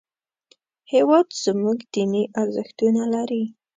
هېواد زموږ دیني ارزښتونه لري